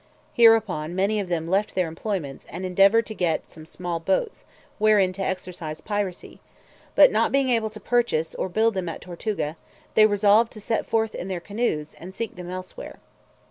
Hereupon, many of them left their employments, and endeavoured to get some small boats, wherein to exercise piracy; but not being able to purchase, or build them at Tortuga, they resolved to set forth in their canoes, and seek them elsewhere.